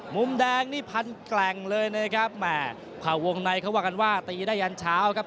มุมแดงนี่พันแกร่งเลยนะครับแหม่เผ่าวงในเขาว่ากันว่าตีได้ยันเช้าครับ